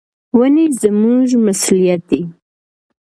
ونې زموږ مسؤلیت دي.